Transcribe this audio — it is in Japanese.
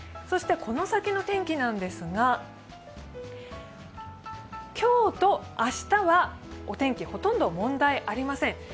この先の天気なんですが、今日と明日はお天気ほとんど問題ありません。